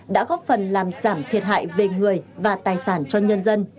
đã góp phần làm giảm thiệt hại về người và tài sản cho nhân dân